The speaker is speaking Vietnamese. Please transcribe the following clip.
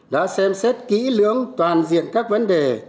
đã xem xét kỹ lưỡng toàn diện các vấn đề